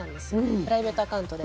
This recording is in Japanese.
プライベートアカウントで。